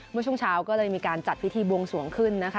เมื่อช่วงเช้าก็เลยมีการจัดพิธีบวงสวงขึ้นนะคะ